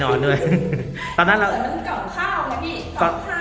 ตอนนั้นเราตกใจไหมตกใจไม่เคยเจอมีออกมา๒๐ปีไม่เคยเจอ